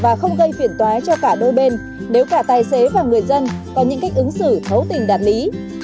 và không gây phiền toái cho cả đôi bên nếu cả tài xế và người dân có những cách ứng xử thấu tình đạt lý